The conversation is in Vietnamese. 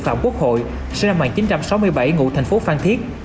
phạm quốc hội sinh năm một nghìn chín trăm sáu mươi bảy ngụ thành phố phan thiết